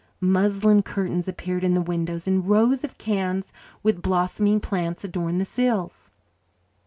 Muslin curtains appeared in the windows, and rows of cans, with blossoming plants, adorned the sills.